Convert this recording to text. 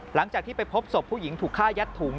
หลังจากที่ไปพบศพผู้หญิงถูกฆ่ายัดถุง